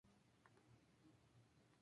Su emisario surge en su costa noreste.